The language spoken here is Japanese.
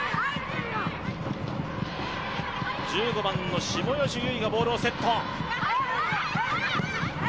１５番の下吉優衣がボールをセット。